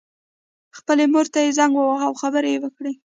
خپلې مور ته یې زنګ وواهه او خبرې یې وکړې